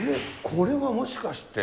これはもしかして。